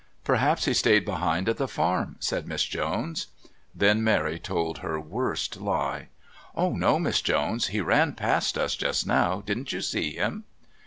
"Perhaps he stayed behind at the farm," said Miss Jones. Then Mary told her worst lie. "Oh, no, Miss Jones. He ran past us just now. Didn't you see him?"